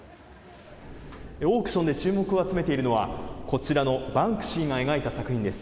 オークションで注目を集めているのは、こちらのバンクシーが描いた作品です。